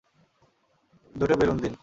দুটো বেলুন দিন।